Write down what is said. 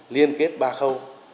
liên kết ba khâu